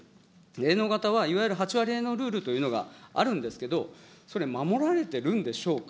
営農型はいわゆる８割営農ルールというのがあるんですけれども、それ、守られてるんでしょうか。